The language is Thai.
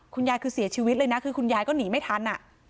คุณยายคือเสียชีวิตเลยนะคือคุณยายก็หนีไม่ทัน